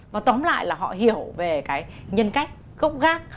và tóm lại là họ hiểu về cái nhân cách gốc gác